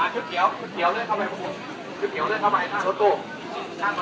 คือเกี่ยวคือเกี่ยวเรื่องทำไมพวกคือเกี่ยวเรื่องทำไมท่าน